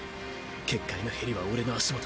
結界のへりは俺の足元。